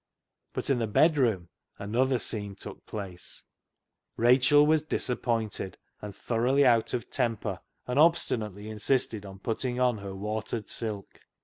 But in the bedroom another scene took place. 252 CLOG SHOP CHRONICLES Rachel was disappointed and thoroughly out of temper, and obstinately insisted on putting on her watered silk.